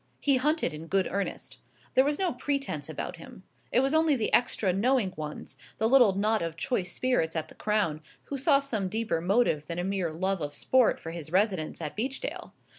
He hunted in good earnest. There was no pretence about him. It was only the extra knowing ones, the little knot of choice spirits at The Crown, who saw some deeper motive than a mere love of sport for his residence at Beechdale.